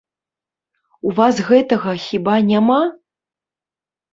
У вас гэтага, хіба, няма?